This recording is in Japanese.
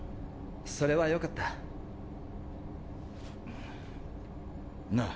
それはよかった。なぁ。